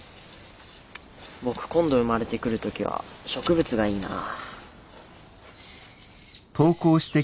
僕今度生まれてくる時は植物がいいなあ。